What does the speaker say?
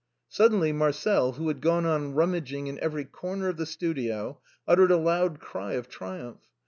Suddenly Marcel, who had gone on rummaging in every corner of the studio, uttered a loud cry of triumph.